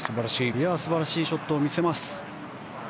素晴らしいショットを見せます。